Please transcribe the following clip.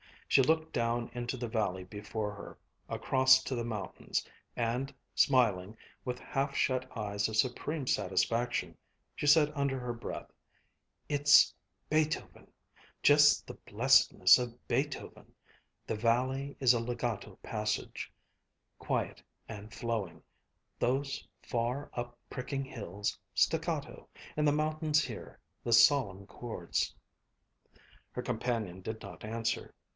She looked down into the valley before her, across to the mountains, and, smiling, with half shut eyes of supreme satisfaction, she said under her breath: "It's Beethoven just the blessedness of Beethoven! The valley is a legato passage, quiet and flowing; those far, up pricking hills, staccato; and the mountains here, the solemn chords." Her companion did not answer.